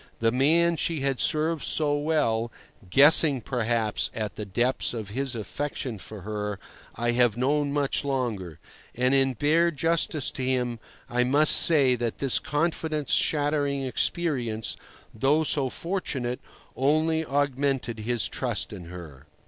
The man she had served so well (guessing, perhaps, at the depths of his affection for her) I have known much longer, and in bare justice to him I must say that this confidence shattering experience (though so fortunate) only augmented his trust in her.